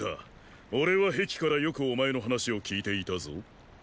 俺は壁からよくお前の話を聞いていたぞ。